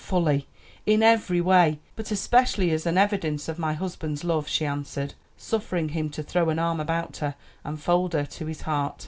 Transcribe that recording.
"Fully, in every way; but especially as an evidence of my husband's love," she answered, suffering him to throw an arm about her and fold her to his heart.